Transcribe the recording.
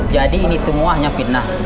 jadi ini semua hanya fitnah